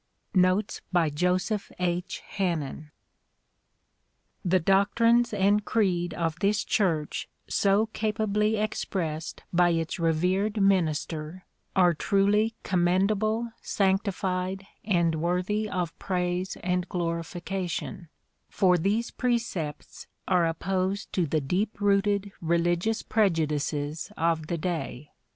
Notes by Joseph H. Hannen THE doctrines and creed of this church so capably expressed by its revered minister are truly commendable, sanctified and worthy of praise and glorification, for these precepts are opposed to the deep rooted religious prejudices of the day.